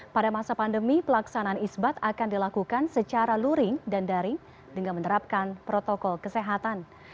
pada masa pandemi pelaksanaan isbat akan dilakukan secara luring dan daring dengan menerapkan protokol kesehatan